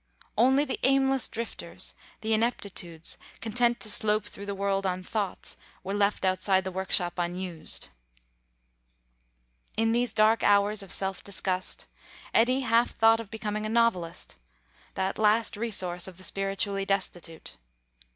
Only the aimless drifters, the ineptitudes, content to slope through the world on thoughts, were left outside the workshop unused. In these dark hours of self disgust, Eddy half thought of becoming a novelist, that last resource of the spiritually destitute.